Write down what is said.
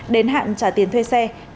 đến hạn trả tiền thuê xe